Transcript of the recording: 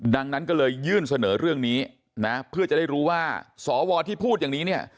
ดังนั้นก็เลยยื่นเสนอเรื่องนี้นะเพื่อจะได้รู้ว่าสวที่พูดอย่างนี้เนี่ย